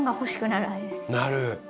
なる。